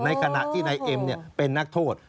ขณะที่นายเอ็มเป็นนักโทษ